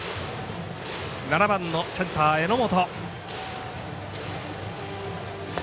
７番のセンター榎本。